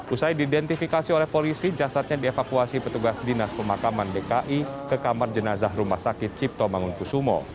usai diidentifikasi oleh polisi jasadnya dievakuasi petugas dinas pemakaman dki ke kamar jenazah rumah sakit cipto mangunkusumo